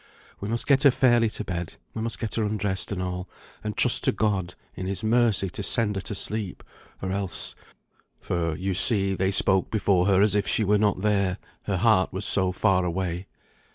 "We must get her fairly to bed; we must get her undressed, and all; and trust to God, in His mercy, to send her to sleep, or else, " For, you see, they spoke before her as if she were not there; her heart was so far away.